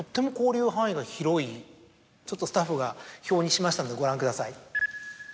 ちょっとスタッフが表にしましたのでご覧ください。